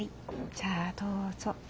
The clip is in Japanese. じゃあどうぞ。